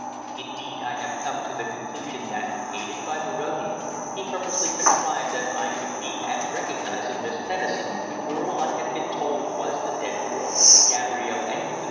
Indeed, I have come to the conclusion that, aided by Moroni, he purposely contrived that I should meet and recognize in Miss Tennison the girl I had been told was the dead girl Gabrielle Engledue.